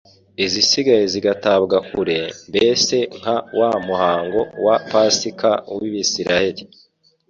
izisigaye zigatabwa kure, mbese nka wa muhango wa pasika y' Abisiraheli